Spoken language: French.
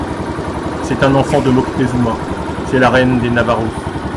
C'est un enfant de Moctezuma ; c'est la reine des Navajoes.